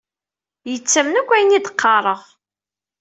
Yettamen akk ayen i qqareɣ.